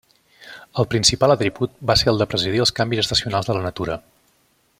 El principal atribut va ser el de presidir els canvis estacionals de la natura.